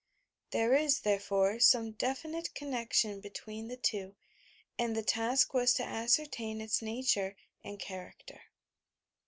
There is, therefore, some definite connection between the two, and the task was to ascertain its nature and character.